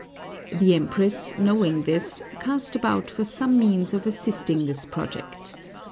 The Empress, knowing this, cast about for some means of assisting this project.